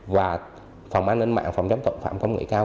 và phòng an ninh mạng phòng giám tộc phạm công nghệ cao